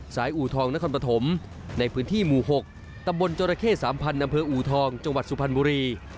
อูทองนครปฐมในพื้นที่หมู่๖ตำบลจรเข้๓๐๐อำเภออูทองจังหวัดสุพรรณบุรี